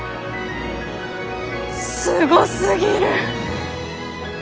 すごすぎる！